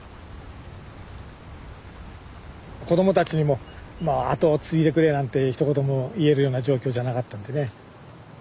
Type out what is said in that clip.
子供たちにも後を継いでくれなんてひと言も言えるような状況じゃなかったんでね。